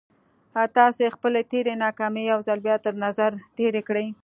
تاسې خپلې تېرې ناکامۍ يو ځل بيا تر نظر تېرې کړئ.